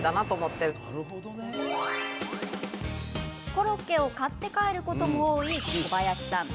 コロッケを買って帰ることも多い小林さん